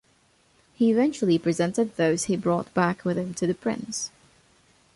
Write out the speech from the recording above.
He eventually presented those he brought back with him to the prince.